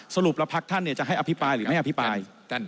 สรุปละพรรคท่านเนี่ยจะให้อภิปายหรือไม่อภิปาย